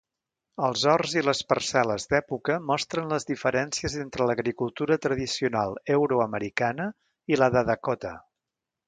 Els horts i les parcel·les d'època mostren les diferències entre l'agricultura tradicional euro-americana i la de Dakota.